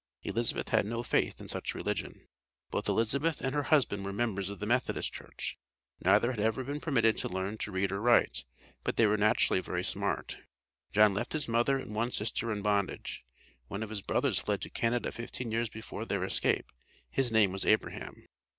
Elizabeth had no faith in such religion. Both Elizabeth and her husband were members of the Methodist Church. Neither had ever been permitted to learn to read or write, but they were naturally very smart. John left his mother and one sister in bondage. One of his brothers fled to Canada fifteen years before their escape. His name was Abraham.